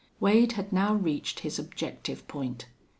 Wade had now reached his objective point.